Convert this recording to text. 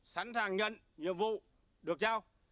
sẵn sàng nhận nhiệm vụ được giao